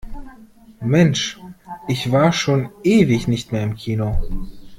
Mensch, ich war schon ewig nicht mehr im Kino.